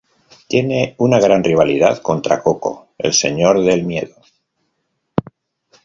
Tiene una gran rivalidad contra Coco, el Señor del Miedo.